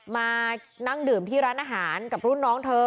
มานั่งดื่มที่ร้านอาหารกับรุ่นน้องเธอ